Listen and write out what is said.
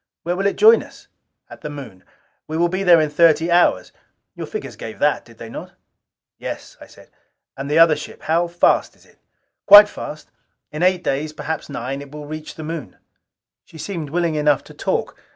"Where will it join us?" "At the Moon. We will be there in thirty hours. Your figures gave that, did they not?" "Yes," I said. "And the other ship how fast is it?" "Quite fast. In eight days perhaps nine, it will reach the Moon." She seemed willing enough to talk.